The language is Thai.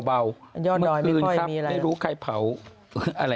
ยอดดอยไม่พ่อยมีอะไรเลยครับเมื่อกล้วนครึ่งครับไม่รู้ใครเผาอะไรแหนะ